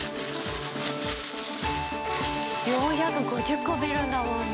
４５０個見るんだもんな。